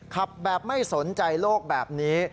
ขับแบบไม่สนใจโลกแบบนี้